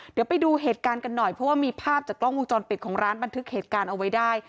เดี๋ยวไปดูเหตุการณ์กันหน่อยเพราะว่ามีภาพจากกล้องวงจรปิดของร้านบันทึกเหตุการณ์เอาไว้ได้